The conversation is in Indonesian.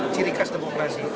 ciri khas demokrasi